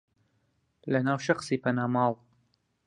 لەناو شەخسی پەنا ماڵ